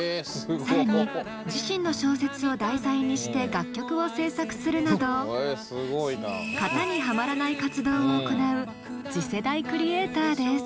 更に自身の小説を題材にして楽曲を制作するなど型にはまらない活動を行う次世代クリエイターです。